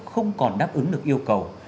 không còn đáp ứng được yêu cầu